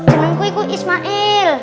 jenengku itu ismail